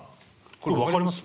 これ分かります？